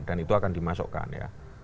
dan itu akan dimasukkan ya